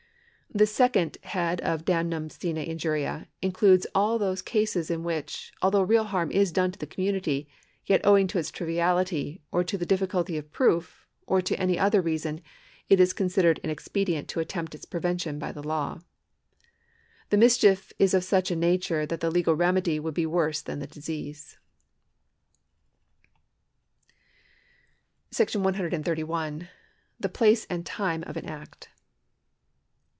The second head of daynnum sine injuria includes all those cases in which, although real harm is done to the community, yet owing to its triviality, or to the difficulty of proof, or to any other reason, it is considered inexpedient to attempt its prevention by the law. The mischief is of such a nature that the legal remedy would be worse than the disease. § 131. The Place and Time of an Act.